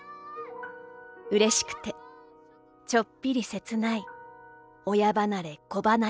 嬉しくて、ちょっぴり切ない親離れ子離れの季節」。